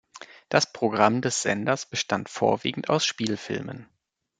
Das Programm des Senders bestand vorwiegend aus Spielfilmen.